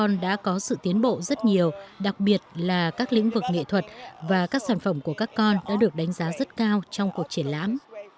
tôi nhận thấy dự án các con đã có sự tiến bộ rất nhiều đặc biệt là các lĩnh vực nghệ thuật và các sản phẩm của các con đã được đánh giá rất cao trong cuộc triển lãm